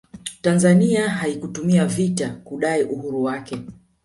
tanzania haikutumia vita kudai uhuru wake